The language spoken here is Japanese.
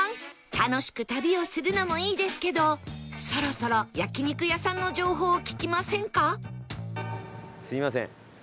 楽しく旅をするのもいいですけどそろそろ焼肉屋さんの情報を聞きませんか？